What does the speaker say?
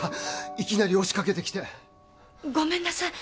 いきなり押しかけてきてごめんなさい